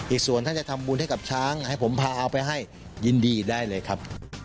อีกส่วนถ้าจะทำบุญให้กับช้างให้ผมพาเอาไปให้ยินดีได้เลยครับ